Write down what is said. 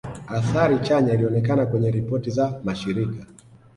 Athari chanya ilionekana kwenye ripoti za mashirika